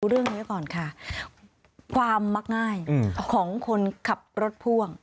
เรื่องนี้ก่อนค่ะความมักง่ายของคนขับรถพ่วง